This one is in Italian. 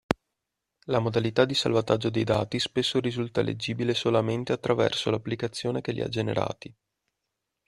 La modalità di salvataggio dei dati spesso risulta leggibile solamente attraverso l'applicazione che li ha generati.